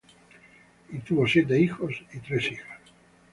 Y tuvo siete hijos y tres hijas.